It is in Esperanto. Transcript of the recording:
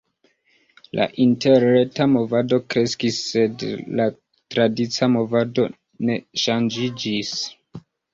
La interreta movado kreskis, sed la tradica movado ne ŝanĝiĝis.